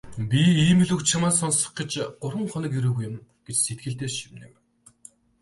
"Би ийм л үг чамаасаа сонсох гэж гурав хоног ирээгүй юм" гэж сэтгэлдээ шивнэв.